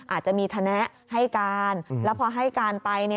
อาจจะมีธนะให้การแล้วพอให้การไป